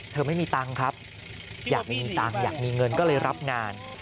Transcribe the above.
ไม่มีตังค์ครับอยากมีตังค์อยากมีเงินก็เลยรับงาน